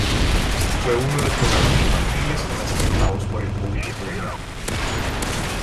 Fue uno de los programas infantiles más aceptados por el público colombiano.